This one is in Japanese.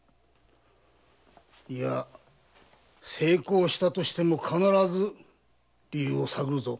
いや成功したとしても必ず理由を探るぞ。